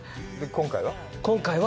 今回は？